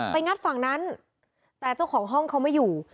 งัดฝั่งนั้นแต่เจ้าของห้องเขาไม่อยู่